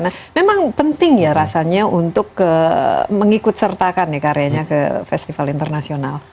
karena memang penting ya rasanya untuk mengikut sertakan ya karyanya ke festival internasional